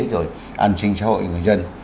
rồi ăn sinh xã hội người dân